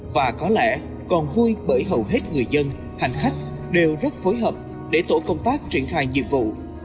và có lẽ còn vui bởi hầu hết người dân hành khách đều rất phối hợp để tổ công tác triển khai nhiệm vụ